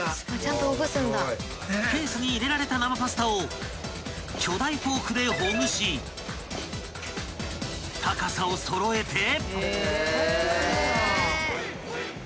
［ケースに入れられた生パスタを巨大フォークでほぐし高さを揃えて］